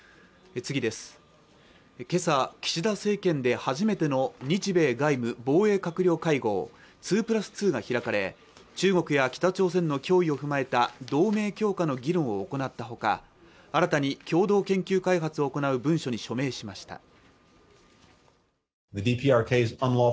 今朝岸田政権で初めての日米外務防衛閣僚会合２＋２が開かれ中国や北朝鮮の脅威を踏まえた同盟強化の議論を行ったほか新たに共同研究開発を行う文書に署名しました